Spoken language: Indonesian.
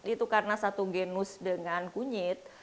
itu karena satu genus dengan kunyit